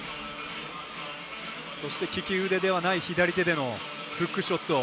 そして利き腕ではない左手でのフックショット。